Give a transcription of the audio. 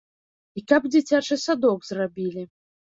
І каб дзіцячы садок зрабілі.